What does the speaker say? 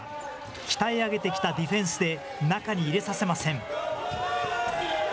鍛え上げてきたディフェンスで、中に入れさせません。